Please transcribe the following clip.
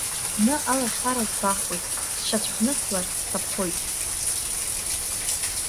Зны алашара збахуеит, сшьацәхныслар, саԥхоит.